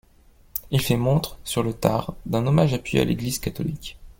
Il fait montre, sur le tard, d'un hommage appuyé à l'église catholique.